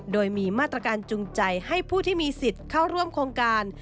โดยมีมาตรการจุงใจให้ผู้ที่มีสิทธิ์เข้าร่วมโครงการ